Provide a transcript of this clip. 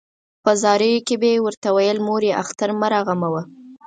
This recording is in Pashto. په زاریو کې به یې ورته ویل مورې اختر مه راغموه.